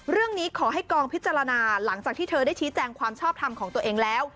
เรื่องนี้ขอให้กองพิจารณาหลังจากที่เธอได้ชี้แจงความชอบทำของตัวเองแล้ว